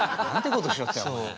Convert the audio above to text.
ことしよってんお前。